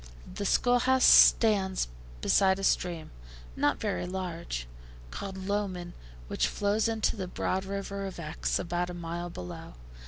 The school house stands beside a stream, not very large, called Lowman, which flows into the broad river of Exe, about a mile below.